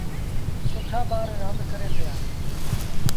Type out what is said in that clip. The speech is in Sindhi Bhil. سُٺآ ٻآر رآند ڪريݩ پيٚآ۔